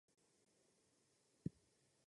Nápadným znakem je hrot na konci těla.